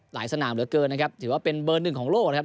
สนามเหลือเกินนะครับถือว่าเป็นเบอร์หนึ่งของโลกนะครับ